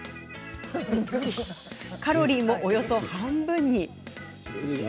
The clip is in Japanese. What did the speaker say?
カロリーもおよそ半分に。